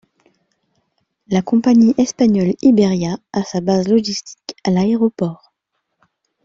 La compagnie espagnole Iberia a sa base logistique à l'aéroport.